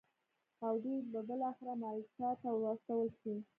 او دوی به بالاخره مالټا ته واستول شي.